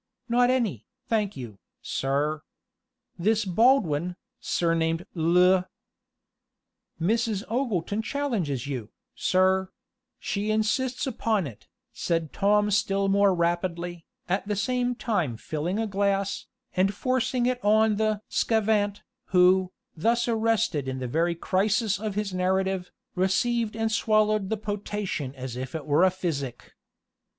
"Not any, thank you, sir. This Baldwin, surnamed _Le _" "Mrs. Ogleton challenges you, sir; she insists upon it," said Tom still more rapidly, at the same time filling a glass, and forcing it on the sçavant, who, thus arrested in the very crisis of his narrative, received and swallowed the potation as if it had been physic.